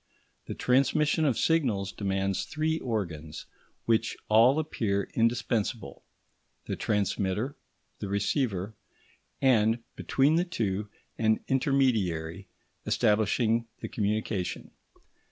The transmission of signals demands three organs which all appear indispensable: the transmitter, the receiver, and, between the two, an intermediary establishing the communication.